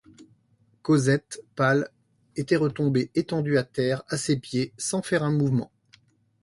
Cosette, pâle, était retombée étendue à terre à ses pieds sans faire un mouvement.